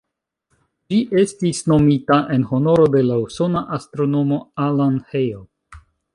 Ĝi estis nomita en honoro de la usona astronomo Alan Hale.